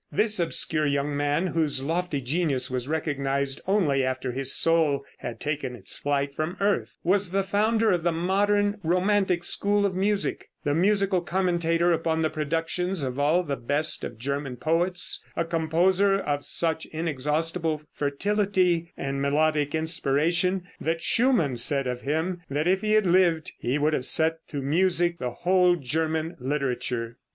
This obscure young man, whose lofty genius was recognized only after his soul had taken its flight from earth, was the founder of the modern romantic school of music the musical commentator upon the productions of all the best of German poets; a composer of such inexhaustible fertility and melodic inspiration that Schumann said of him, that if he had lived he would have set to music the whole German literature.